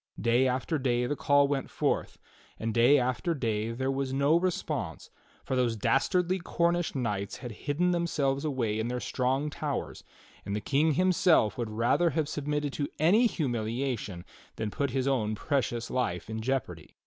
Day after day the call went forth, and day after day there was 65 66 THE STORY OF KING ARTHUR no response, for those dastardly Cornish knights had hidden them selves away in their strong towers, and the King himself w^oiild rather have submitted to any humiliation than put his own precious life in jeopardy.